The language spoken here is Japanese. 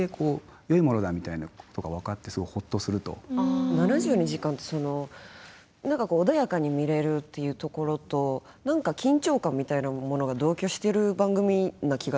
私「７２時間」って何かこう穏やかに見れるっていうところと何か緊張感みたいなものが同居してる番組な気がしていて。